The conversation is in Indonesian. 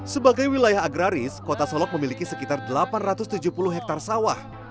sebagai wilayah agraris kota solok memiliki sekitar delapan ratus tujuh puluh hektare sawah